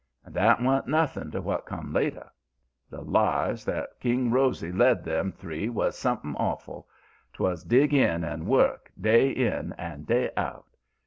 "And that wa'n't nothing to what come later. The lives that King Rosy led them three was something awful. 'Twas dig in and work day in and day out.